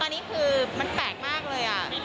อันนี้คือมันแปลกมากเลย